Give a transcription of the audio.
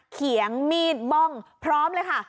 เขียงเมียบปลอมเลยค่ะ